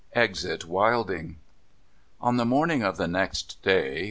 EXIT WILDING On the morning of the next day.